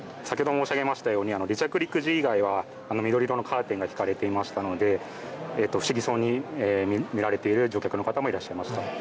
先ほど申し上げましたとおり離着陸時以外は緑色のカーテンが引かれていましたので不思議そうに見られている乗客の方もいらっしゃいました。